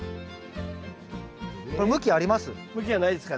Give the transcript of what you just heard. これ向きあります？